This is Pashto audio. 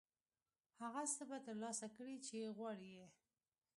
هغه څه به ترلاسه کړې چې غواړې یې.